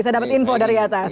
saya dapat info dari atas